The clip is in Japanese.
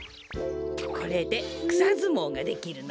これでくさずもうができるのよ。